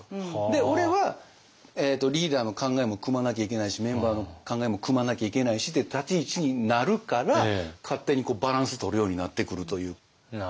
俺はリーダーの考えもくまなきゃいけないしメンバーの考えもくまなきゃいけないしって立ち位置になるから勝手にバランスとるようになってくるという。